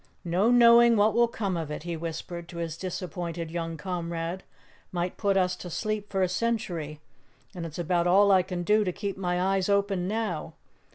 "No knowing what will come of it," he whispered to his disappointed young comrade. "Might put us to sleep for a century and it's about all I can do to keep my eyes open now.